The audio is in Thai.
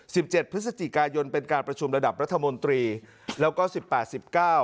สิบเจ็ดพฤศจิกายนเป็นการประชุมระดับรัฐมนตรีแล้วก็สิบแปดสิบเก้า